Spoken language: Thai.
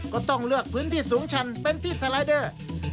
ก็ต้องเลือกพื้นที่สูงชันเป็นที่สไลเดอร์